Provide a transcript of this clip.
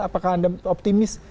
apakah anda optimis